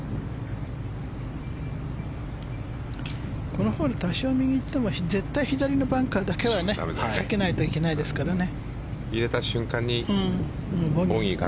このホール多少右に行っても絶対バンカーだけは避けないといけないですからね。